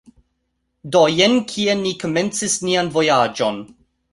Do, jen kie ni komencis nian vojaĝon